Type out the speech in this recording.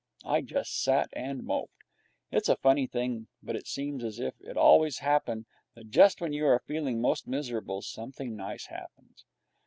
I just sat and moped. It's a funny thing, but it seems as if it always happened that just when you are feeling most miserable, something nice happens.